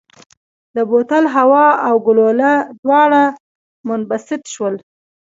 د بوتل هوا او ګلوله دواړه منبسط شول.